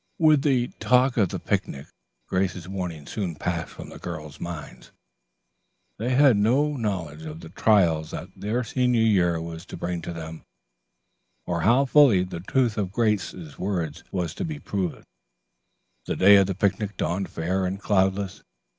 With the talk of the picnic, Grace's warning soon passed from the girls' minds. They had no knowledge of the trials that their senior year was to bring them or how fully the truth of Grace's words was to be proved. The day of the picnic dawned fair and cloudless.